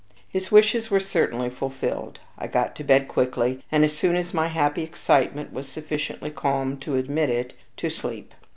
His wishes were certainly fulfilled. I got to bed quickly, and as soon as my happy excitement was sufficiently calmed to admit of it to sleep.